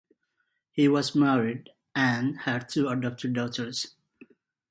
He was married and had two adopted daughters.